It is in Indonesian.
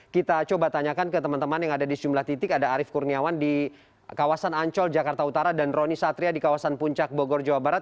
kita coba tanyakan ke teman teman yang ada di sejumlah titik ada arief kurniawan di kawasan ancol jakarta utara dan roni satria di kawasan puncak bogor jawa barat